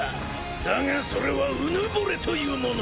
だがそれはうぬぼれというもの。